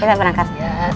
ya senang berangkat